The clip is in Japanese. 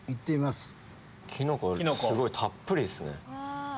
すごいたっぷりですね。